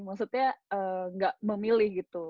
maksudnya gak memilih gitu